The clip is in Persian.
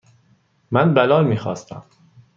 من بلال میخواستم.